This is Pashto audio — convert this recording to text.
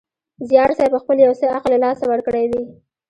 زیارصېب خپل یو څه عقل له لاسه ورکړی وي.